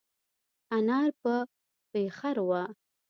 انار په پېخر وه.